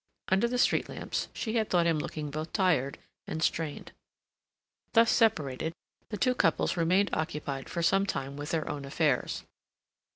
Under the street lamps she had thought him looking both tired and strained. Thus separated, the two couples remained occupied for some time with their own affairs.